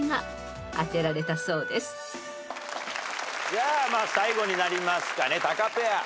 じゃあまあ最後になりますかねタカペア。